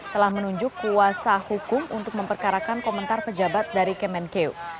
telah menunjuk kuasa hukum untuk memperkarakan komentar pejabat dari kemenkeu